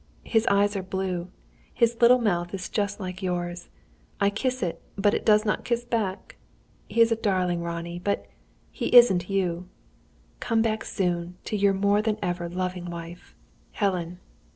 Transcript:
"His eyes are blue. His little mouth is just like yours. I kiss it, but it doesn't kiss back! He is a darling, Ronnie, but he isn't you! "Come back soon, to your more than ever loving wife, "HELEN.